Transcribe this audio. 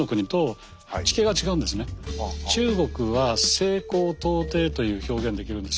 中国は「西高東低」という表現できるんです。